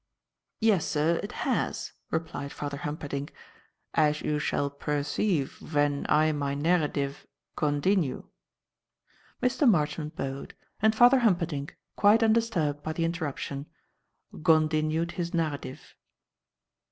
"Yes, sir, it has," replied Father Humperdinck, "as you shall berceive ven I my narradive gondinue." Mr. Marchmont bowed, and Father Humperdinck, quite undisturbed by the interruption, "gondinued his narradive."